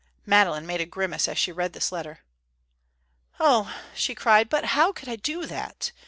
Madeleine made a grimace as she read this letter. "Oh," she cried, "but how could I do that?